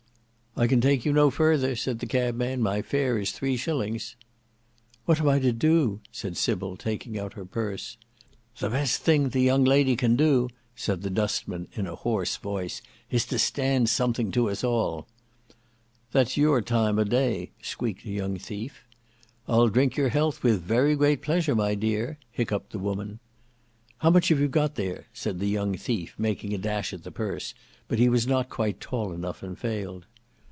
"I can take you no further," said the cabman: "my fare is three shillings." "What am I to do?" said Sybil, taking out her purse. "The best thing the young lady can do," said the dustman, in a hoarse voice, "is to stand something to us all." "That's your time o'day," squeaked a young thief. "I'll drink your health with very great pleasure my dear," hiccupped the woman. "How much have you got there?" said the young thief making a dash at the purse, but he was not quite tall enough, and failed.